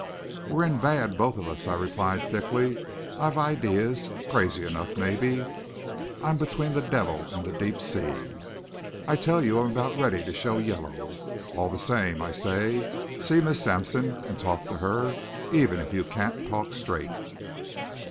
"We're in bad, both of us," I replied thickly. "I've ideas, crazy enough maybe. I'm between the devil and the deep sea, I tell you. I'm about ready to show yellow. All the same, I say, see Miss Sampson and talk to her, even if you can't talk straight."